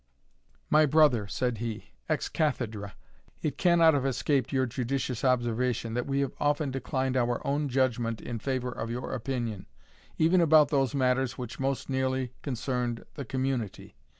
"My brother," said he, ex cathedra, "it cannot have escaped your judicious observation, that we have often declined our own judgment in favour of your opinion, even about those matters which most nearly concerned the community.